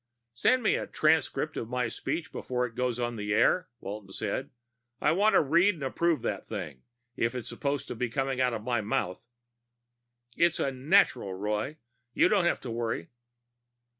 "Send me a transcript of my speech before it goes on the air," Walton said. "I want to read and approve that thing if it's supposed to be coming out of my mouth." "It's a natural, Roy. You don't have to worry."